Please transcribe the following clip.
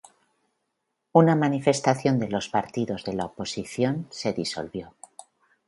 Una manifestación de los partidos de la oposición se disolvió.